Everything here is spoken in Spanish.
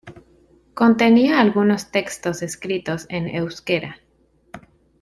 Contenía algunos textos escritos en euskera.